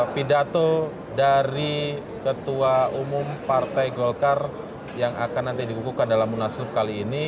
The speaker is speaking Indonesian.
pidato dari ketua umum partai golkar yang akan nanti dikukukan dalam munaslup kali ini